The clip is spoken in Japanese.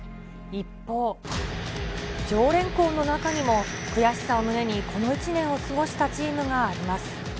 一方、常連校の中にも、悔しさを胸にこの１年を過ごしたチームがあります。